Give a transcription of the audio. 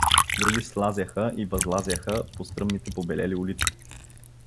Други слазяха или възлазяха по стръмните побелели улици.